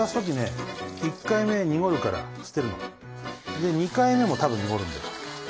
で２回目もたぶん濁るんだよ。